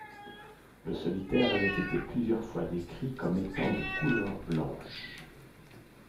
Le solitaire avait été plusieurs fois décrit comme étant de couleur blanche.